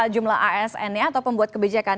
jumlah asn nya atau pembuat kebijakan